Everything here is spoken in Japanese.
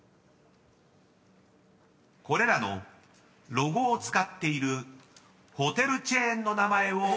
［これらのロゴを使っているホテルチェーンの名前をお答えください］